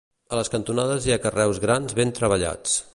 A les cantonades hi ha carreus grans ben treballats.